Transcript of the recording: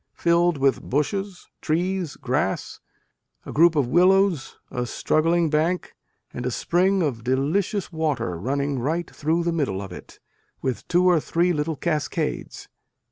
filled with bushes, trees, grass, a group of willows, a straggling bank and a spring of delicious water running right through the middle of it, with two or three little cascades.